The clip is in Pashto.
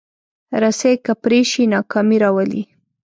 رسۍ که پرې شي، ناکامي راولي.